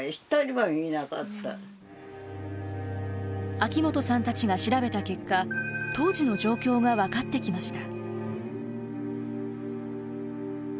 秋本さんたちが調べた結果当時の状況が分かってきました。